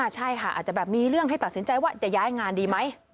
ใช่ค่ะอาจจะแบบมีเรื่องให้ตัดสินใจว่าจะย้ายงานดีไหม